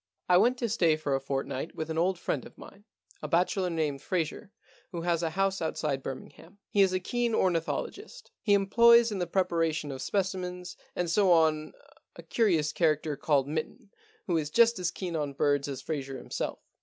I went to stay for a fortnight with an old friend of mine, a bachelor named Fraser, who has a house outside Birmingham. He is a keen ornithologist. He employs in the preparation of specimens and so on a curious character called Mitten, who is just as keen on birds 178 The Alibi Problem as Fraser himself.